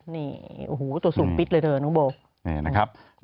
มีตัวสุดปิดเลยเถอะนุ้ยโบ้